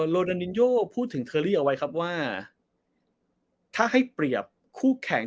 โลนานินโยพูดถึงเทอรี่เอาไว้ครับว่าถ้าให้เปรียบคู่แข่ง